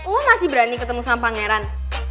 lo masih berani ketemu sama pangeran